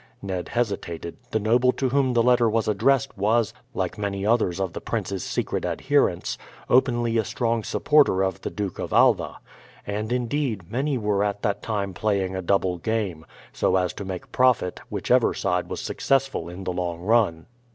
Ned hesitated; the noble to whom the letter was addressed was, like many others of the prince's secret adherents, openly a strong supporter of the Duke of Alva. And, indeed, many were at that time playing a double game, so as to make profit whichever side was successful in the long run.